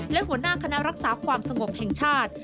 และหัวหน้าคณะรักษาความสงบแห่งชาติ